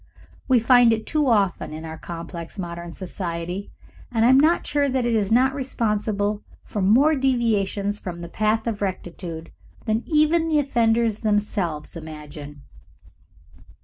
We find it too often in our complex modern society, and I am not sure that it is not responsible for more deviations from the path of rectitude than even the offenders themselves imagine.